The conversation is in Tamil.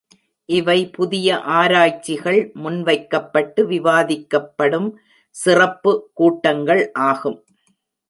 இவை புதிய ஆராய்ச்சிகள் முன்வைக்கப்பட்டு விவாதிக்கப்படும் சிறப்பு கூட்டங்கள் ஆகும்.